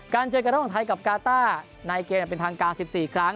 การเจอยน้องไทยกับการทาในเกมเป็นทางกา๑๔ครั้ง